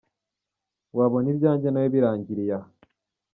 Wabona ibyanjye nawe birangiriye aha ?.